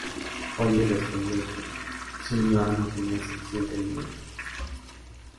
Holly respondió que Sullivan no tenía suficiente dinero.